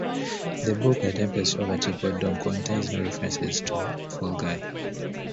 The book "The Tempest Over Teapot Dome" contains no references to "fall guy".